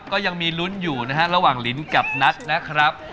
ก็ยังมีลุ้นอยู่นะฮะระหว่างลิ้นกับนัทนะครับ